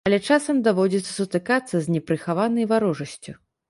Але часам даводзіцца сутыкацца з непрыхаванай варожасцю.